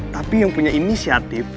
tapi yang punya inisiatif